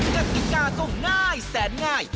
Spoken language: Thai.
กฎิกาก็ง่ายแสนง่าย